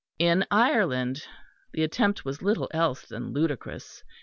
In Ireland the attempt was little else than ludicrous.